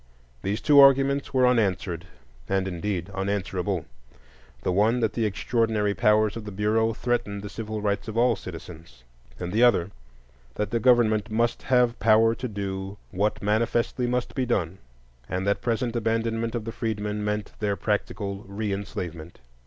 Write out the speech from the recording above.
These two arguments were unanswered, and indeed unanswerable: the one that the extraordinary powers of the Bureau threatened the civil rights of all citizens; and the other that the government must have power to do what manifestly must be done, and that present abandonment of the freedmen meant their practical reenslavement.